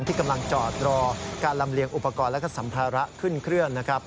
ที่กำลังจอดรอการลำเลียงอุปกรณ์และก็สัมภาระขึ้นเครื่องนะครับ